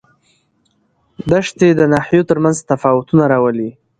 دښتې د ناحیو ترمنځ تفاوتونه راولي.